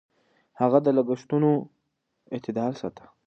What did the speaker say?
هغه د لګښتونو اعتدال ساته.